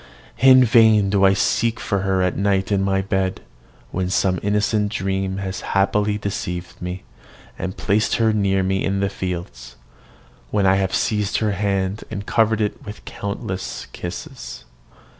In vain do I seek for her at night in my bed, when some innocent dream has happily deceived me, and placed her near me in the fields, when I have seized her hand and covered it with countless kisses.